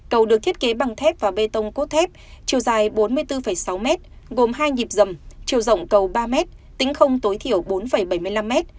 cầu được thiết kế bằng thép và bê tông cốt thép chiều dài bốn mươi bốn sáu m gồm hai nhịp dầm chiều rộng cầu ba mét tính không tối thiểu bốn bảy mươi năm m